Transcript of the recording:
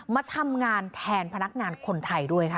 มาทำงานแทนพนักงานคนไทยด้วยค่ะ